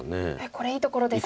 これいいところですか。